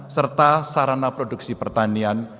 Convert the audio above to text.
serta sarana produksi pertanian